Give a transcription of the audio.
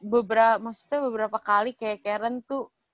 beberapa maksudnya beberapa kali kayak karen tuh